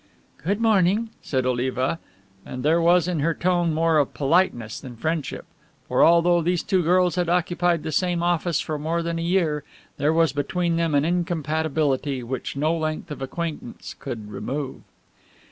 "Good morning," said Oliva, and there was in her tone more of politeness than friendship, for although these two girls had occupied the same office for more than a year, there was between them an incompatibility which no length of acquaintance could remove.